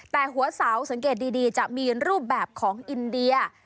แต่หัวเสาสังเกตดีจะมีรูปแบบของอินเดีย